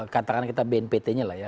katakan kita bnpt nya lah ya